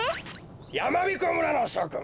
やまびこ村のしょくん